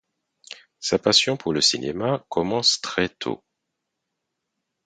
Sa passion pour le cinéma commence très tôt.